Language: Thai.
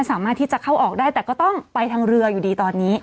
สามารถที่จะเข้าออกได้แต่ก็ต้องไปทางเรืออยู่ดีตอนนี้